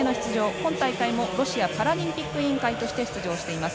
今大会もロシアパラリンピック委員会として出場しています。